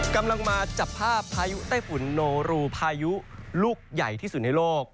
กำลังมาจับภาพพายุไต้ฝุ่นโนรูพายุลูกใหญ่ที่สุดในโลก